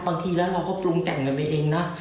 บางทีแล้วเราก็ปรุงแต่งกันไปเองนะ